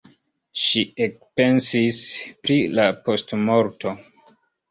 Ŝi ekpensis pri la postmorto.